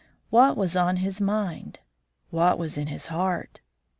What was on his mind? What was in his heart?